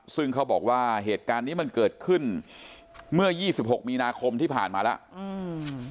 ซึ่งเขาบอกว่าเหตุการณ์นี้มันเกิดขึ้นเมื่อยี่สิบหกมีนาคมที่ผ่านมาแล้วอืม